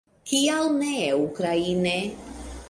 Kial ne ukraine?